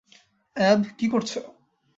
অ্যাব, কী করছো?